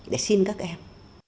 để xin các em